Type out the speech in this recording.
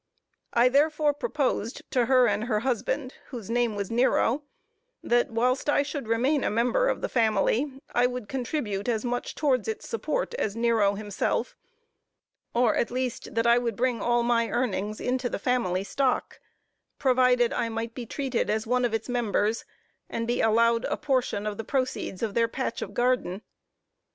I therefore proposed to her and her husband, whose name was Nero, that whilst I should remain a member of the family, I would contribute as much towards its support as Nero himself; or, at least, that I would bring all my earnings into the family stock, provided I might be treated as one of its members, and be allowed a portion of the proceeds of their patch of garden.